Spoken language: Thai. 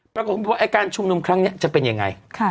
ปรากฏคุณพี่ว่าแอดการชุมนมครั้งนี้จะเป็นอย่างไร